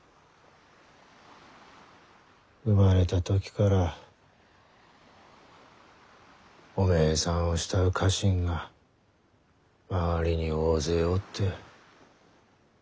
生まれた時からおめえさんを慕う家臣が周りに大勢おって。